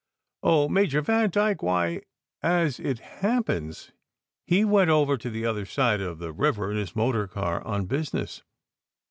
"Oh, Major Vandyke! Why, as it happens, he went over to the other side of the river in his motor car on business."